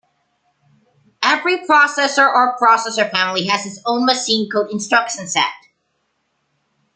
Every processor or processor family has its own machine code instruction set.